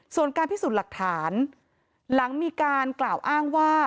ส่วนการพิสูจน์หลักฐานหลังมีการกล่าวอ้างว่า